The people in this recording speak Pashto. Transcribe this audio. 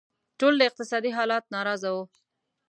ټول له اقتصادي حالت ناراضه وو.